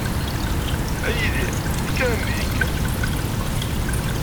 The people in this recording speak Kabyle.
A Yidir! Kker a mmi, kker!